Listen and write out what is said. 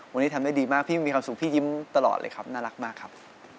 วันนี้ทำได้ดีมากพี่ไม่มีความสุขพี่ยิ้มตลอดเลยครับน่ารักมากครับ